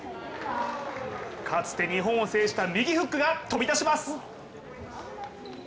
かつて日本を制した右フックが飛び出します。